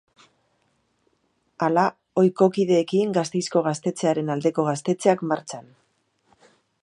Hala, ohiko kideekin, Gasteizko Gaztetxearen aldeko Gaztetxeak martxan!